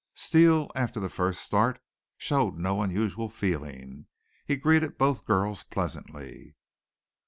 Steele, after the first start, showed no unusual feeling. He greeted both girls pleasantly.